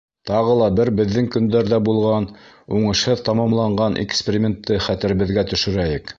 Тағы ла бер беҙҙең көндәрҙә булған, уңышһыҙ тамамланған экспериментты хәтеребеҙгә төшөрәйек.